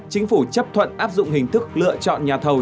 chính phủ chấp thuận áp dụng hình thức lựa chọn nhà thầu